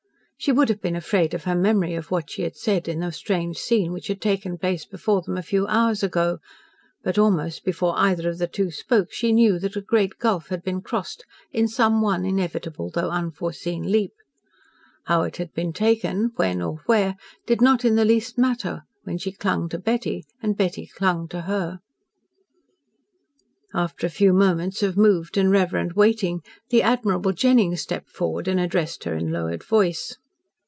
She would have been afraid of her memory of what she had said in the strange scene which had taken place before them a few hours ago, but almost before either of the two spoke she knew that a great gulf had been crossed in some one inevitable, though unforeseen, leap. How it had been taken, when or where, did not in the least matter, when she clung to Betty and Betty clung to her. After a few moments of moved and reverent waiting, the admirable Jennings stepped forward and addressed her in lowered voice.